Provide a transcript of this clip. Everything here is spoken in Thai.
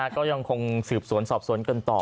ก็ยังคงสืบสวนสอบสวนกันต่อ